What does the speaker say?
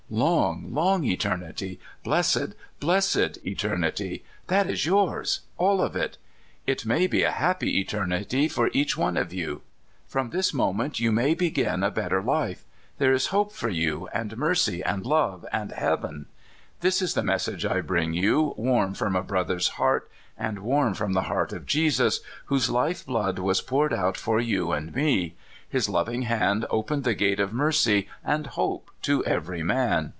Long, long eternity! Blessed, blessed eternity! That is yours — all of it. It may be a happy eter nity for each one of you. From this moment you may begin a better life. There is hope for you, and mercy and love and heaven. This is the mes sage I bring you warm from a brother's heart, and warm from the heart of Jesus, whose lifeblood was poured out for you and me. His loving hand opened the gate of mercy and hope to every man.